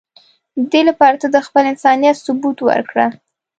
د دی لپاره ته د خپل انسانیت ثبوت ورکړه.